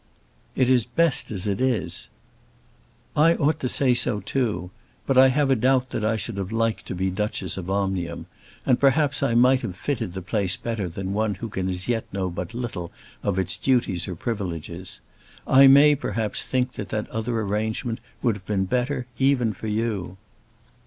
"It is best as it is." "I ought to say so too; but I have a doubt I should have liked to be Duchess of Omnium, and perhaps I might have fitted the place better than one who can as yet know but little of its duties or its privileges. I may, perhaps, think that that other arrangement would have been better even for you."